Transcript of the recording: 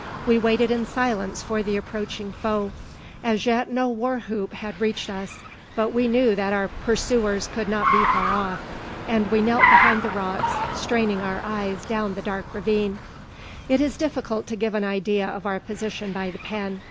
We waited in silence for the approaching foe. As yet no war whoop had reached us; but we knew that our pursuers could not be far off; and we knelt behind the rocks, straining our eyes down the dark ravine. It is difficult to give an idea of our position by the pen.